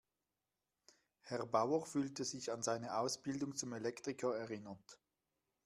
Herr Bauer fühlte sich an seine Ausbildung zum Elektriker erinnert.